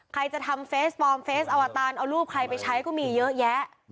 ใครจะทำเฟสปลอมเฟสอวตารเอารูปใครไปใช้ก็มีเยอะแยะ